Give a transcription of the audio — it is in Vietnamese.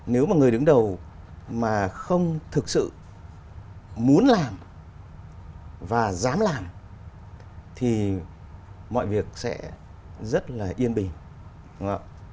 nếu mà người đứng đầu mà không thực sự muốn làm và dám làm thì mọi việc sẽ rất là yên bình